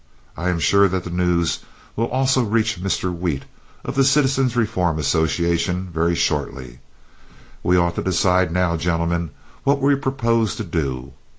I am sure that the news will also reach Mr. Wheat, of the Citizens' Reform Association, very shortly. We ought to decide now, gentlemen, what we propose to do.